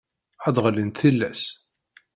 ad d-ɣellint tillas.